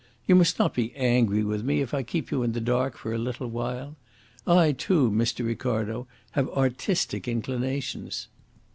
"You must not be angry with me if I keep you in the dark for a little while. I, too, Mr. Ricardo, have artistic inclinations.